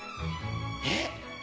えっ。